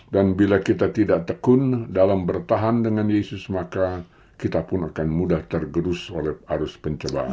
dan bila kita tidak tekun dalam bertahan dengan yesus maka kita pun akan mudah tergerus oleh arus pencobaan